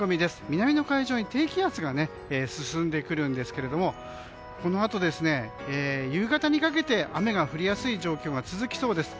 南の海上に低気圧が進んでくるんですけれどもこのあと、夕方にかけて雨が降りやすい状況が続きそうです。